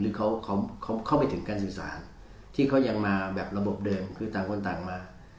หรือเขาเข้าไปถึงการสื่อสารที่เขายังมาแบบระบบเดิมคือต่างคนต่างมา